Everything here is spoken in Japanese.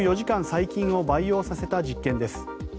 細菌を培養させた実験です。